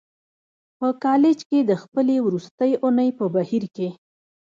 په کالج کې د خپلې وروستۍ اونۍ په بهیر کې